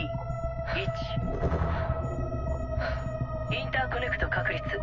インターコネクト確立。